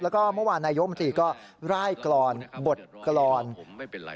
แล้วก็เมื่อวานนายกมนตรีก็ร่ายกรอนบทกรรม